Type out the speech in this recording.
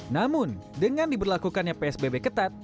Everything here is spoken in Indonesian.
namun dengan diberlakukannya psbb ketat